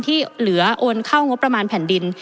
ประเทศอื่นซื้อในราคาประเทศอื่น